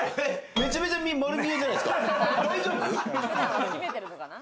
めちゃくちゃ丸見えじゃないですか。